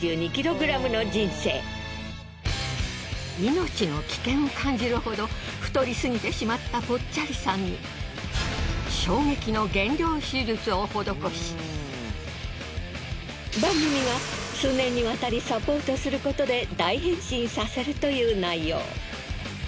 命の危険を感じるほど太りすぎてしまったぽっちゃりさんに衝撃の減量手術を施し番組が数年にわたりサポートすることで大変身させるという内容。